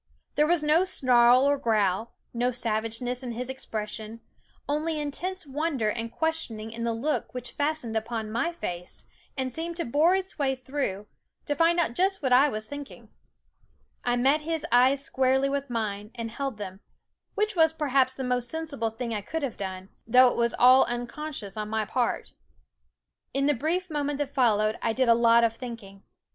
There was no snarl or growl, no savageness in his expression ; only intense wonder and questioning in the look which fastened upon my face and seemed to bore its way through, to find out just what I was thinking. I met his eyes squarely with mine and held them, which was perhaps the most sensi ble thing I could have done ; though it was all unconscious on my part. In the brief moment that followed I did a lot of thinking.